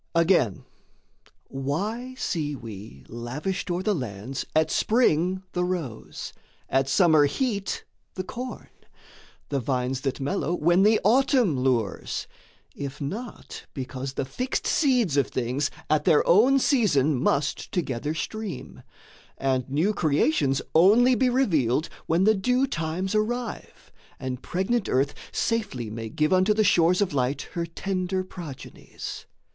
Again, why see we lavished o'er the lands At spring the rose, at summer heat the corn, The vines that mellow when the autumn lures, If not because the fixed seeds of things At their own season must together stream, And new creations only be revealed When the due times arrive and pregnant earth Safely may give unto the shores of light Her tender progenies?